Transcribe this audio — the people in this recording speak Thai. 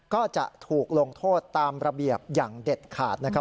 ก็จะถูกลงโทษตามระเบียบอย่างเด็ดขาดนะครับ